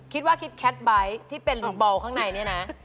คิดว่าคิดแคทไบท์ที่เป็นบอลข้างในเนี่ยนะ